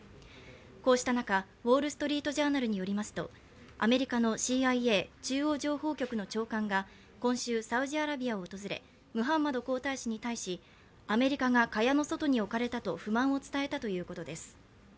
こうした中、「ウォール・ストリート・ジャーナル」によりますとアメリカのＣＩＡ＝中央情報局の長官が今週サウジアラビアを訪れムハンマド皇太子に対し、アメリカが蚊帳の外に置かれたと不満を伝えたということです。